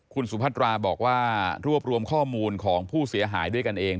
คุณสุพัตราบอกว่ารวบรวมข้อมูลของผู้เสียหายด้วยกันเอง